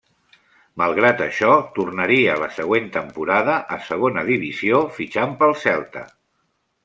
Malgrat això, tornaria la següent temporada a Segona Divisió, fitxant pel Celta.